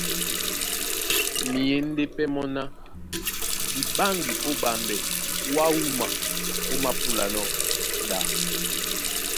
Myěndé pɛ́ mɔ́ ná :Di ɓáŋgi ó ɓambɛ wǎ wúma ómāpúlanɔ́ ɗá.